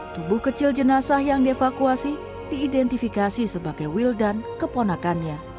tubuh kecil jenazah yang dievakuasi diidentifikasi sebagai wildan keponakannya